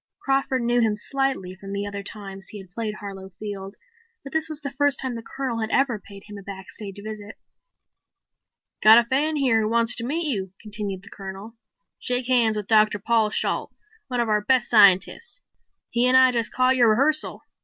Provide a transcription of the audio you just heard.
Crawford knew him slightly from the other two times he had played Harlow Field, but this was the first time the Colonel had ever paid him a backstage visit. "Got a fan here who wants to meet you," continued the Colonel. "Shake hands with Dr. Paul Shalt, one of our base scientists. He and I just caught your rehearsal.